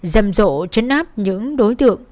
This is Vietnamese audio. giảm rộ chấn áp những đối tượng